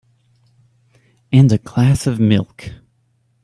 And a glass of milk.